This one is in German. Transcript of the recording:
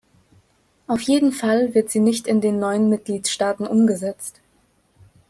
Auf jeden Fall wird sie nicht in den neuen Mitgliedstaaten umgesetzt.